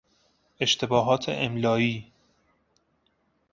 اشتباهات املایی